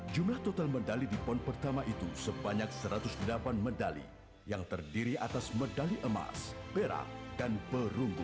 jumlah total medali di pon pertama itu sebanyak satu ratus delapan medali yang terdiri atas medali emas perak dan perunggu